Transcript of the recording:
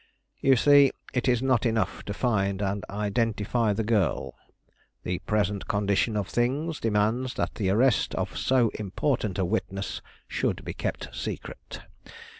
You see, it is not enough to find and identify the girl. The present condition of things demands that the arrest of so important a witness should be kept secret.